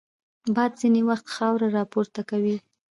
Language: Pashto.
باد ځینې وخت خاوره راپورته کوي